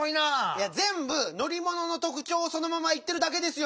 いやぜんぶのりもののとくちょうをそのままいってるだけですよね！